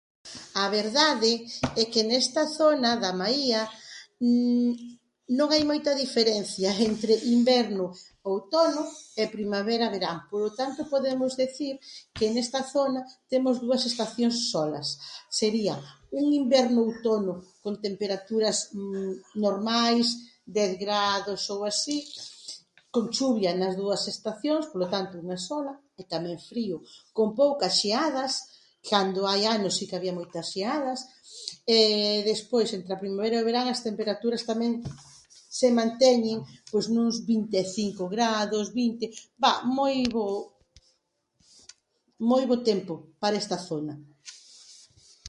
A verdade é que nesta zona da Maía non hai moita diferencia entre inverno-outono e primavera-verán, polo tanto podemos decir que nesta zona temos dúas estacións solas. Sería: un inverno-outono con temperaturas normais, dez grados ou así, con chuvia nas dúas estacións, polo tanto, unha sola e tamén frío con poucas xeadas, cando hai anos si que había moitas xeadas. Despois entre a primavera-verán as temperaturas tamén se manteñen, pois nuns vinte e cinco grados, vinte, moi bo, moi bo tempo para esta zona.